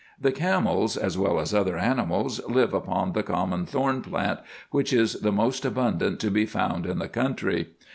The camels, as well as other animals, live upon the common thorn plant, which is the most abundant to be found in the country.